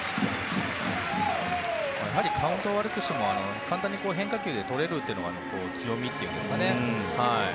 カウントを悪くしても簡単に変化球で取れるというのが強みというんですかね。